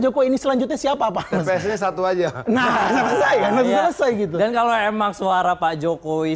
jokowi ini selanjutnya siapa pak psi satu aja nah selesai gitu dan kalau emang suara pak jokowi